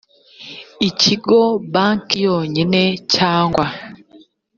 ikigo banki yonyine cyangwa